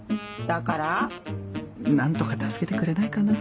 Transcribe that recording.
だから？何とか助けてくれないかな？